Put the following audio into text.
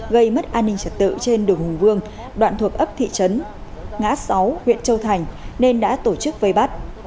gây mất an ninh trật tự trên đường hùng vương đoạn thuộc ấp thị trấn ngã sáu huyện châu thành nên đã tổ chức vây bắt